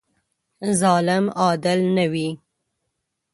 ظالم عادل نه وي.